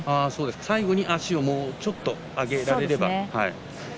最後に足をもうちょっと上げられれば。